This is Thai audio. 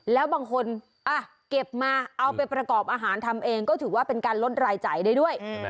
แล้วบางคนเก็บมาเอาไปประกอบอาหารทำเองก็ถือว่าเป็นการลดรายจ่ายได้ด้วย